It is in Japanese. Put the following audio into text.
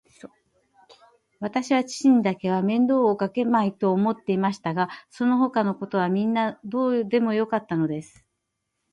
わたしは父にだけは面倒をかけまいと思っていましたが、そのほかのことはみんなどうでもよかったのです。